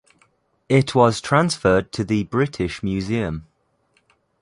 It was transferred to the British Museum.